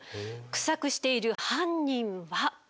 臭くしている犯人は。